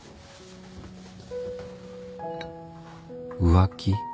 浮気？